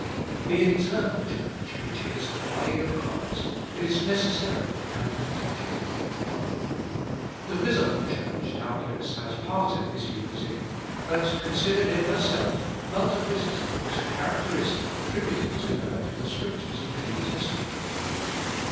The internal Church, which is the body of Christ, is necessarily and perpetually one. The visible Church, doubtless, has part in this unity, but considered in herself, multiplicity is a characteristic attributed to her in the Scriptures of the New Testament.